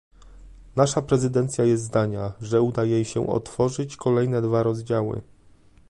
Nasza prezydencja jest zdania, że uda jej się otworzyć kolejne dwa rozdziały